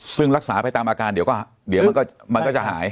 ซึ่งรักษาไปตามอาการเดี๋ยวก็เดี๋ยวมันก็จะหาย